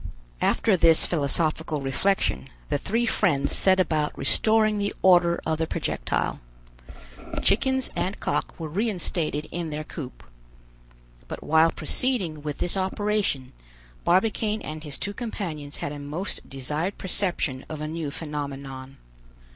After this philosophical reflection, the three friends set about restoring the order of the projectile. Chickens and cock were reinstated in their coop. But while proceeding with this operation, Barbicane and his two companions had a most desired perception of a new phenomenon.